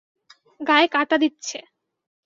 গায়ে কাটা দিচ্ছে!